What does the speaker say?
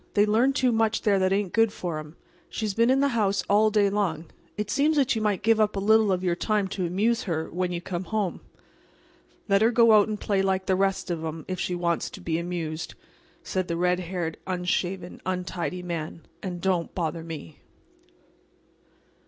They learn too much there that ain't good for 'em. She's been in the house all day long. It seems that you might give up a little of your time to amuse her when you come home." "Let her go out and play like the rest of 'em if she wants to be amused," said the red haired, unshaven, untidy man, "and don't bother me."